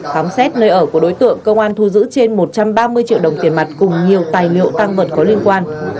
khám xét nơi ở của đối tượng công an thu giữ trên một trăm ba mươi triệu đồng tiền mặt cùng nhiều tài liệu tăng vật có liên quan